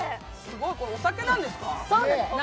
これ、お酒なんですか？